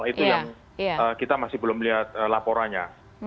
itu yang kita masih belum lihat laporannya